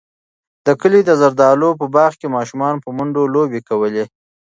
د کلي د زردالیو په باغ کې ماشومانو په منډو لوبې کولې.